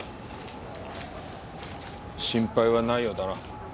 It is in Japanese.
心配はないようだな。